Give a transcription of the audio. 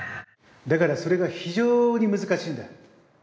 だからそれが非常に難しいんだ。